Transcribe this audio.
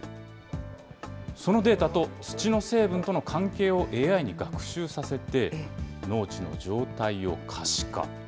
そのデータと土の成分との関係をＡＩに学習させて、農地の状態を可視化。